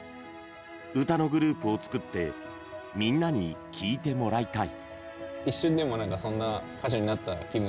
歌のグループを作ってみんなに聴いてもらいたい。